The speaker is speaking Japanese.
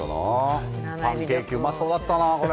パンケーキうまそうだったな、これ。